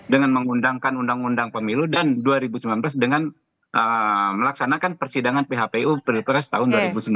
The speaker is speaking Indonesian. dengan mengundangkan undang undang pemilu dan dua ribu sembilan belas dengan melaksanakan persidangan phpu pilpres tahun dua ribu sembilan belas